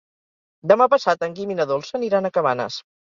Demà passat en Guim i na Dolça aniran a Cabanes.